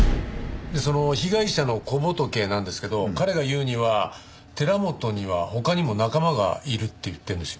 その被害者の小仏なんですけど彼が言うには寺本には他にも仲間がいるって言ってるんです。